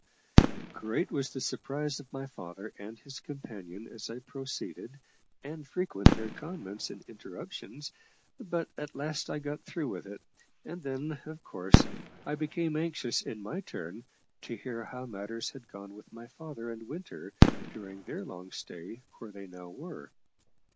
Great was the surprise of my father and his companion as I proceeded, and frequent their comments and interruptions; but at last I got through with it, and then, of course, I became anxious, in my turn, to hear how matters had gone with my father and Winter during their long stay where they now were.